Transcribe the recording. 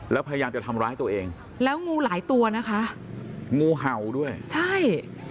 แล้วพยายามจะทำร้ายตัวเองแล้วงูหลายตัวนะคะงูเห่าด้วยใช่